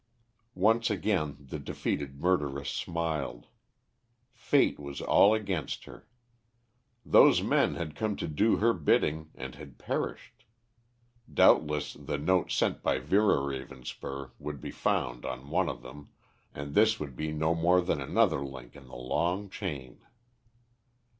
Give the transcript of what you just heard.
Once again the defeated murderess smiled. Fate was all against her. Those men had come to do her bidding and had perished. Doubtless the note sent by Vera Ravenspur would be found on one of them, and this would be no more than another link in the long chain.